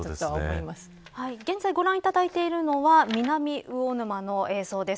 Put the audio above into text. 現在ご覧いただいているのは南魚沼の映像です。